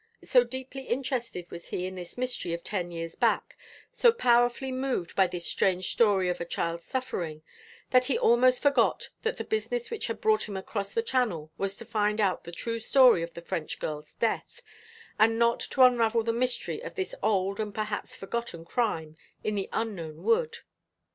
So deeply interested was he in this mystery of ten years back, so powerfully moved by this strange story of a child's suffering, that he almost forgot that the business which had brought him across the Channel was to find out the true story of the French girl's death, and not to unravel the mystery of this old and perhaps forgotten crime in the unknown wood.